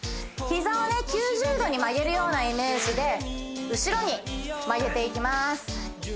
膝をね９０度に曲げるようなイメージで後ろに曲げていきます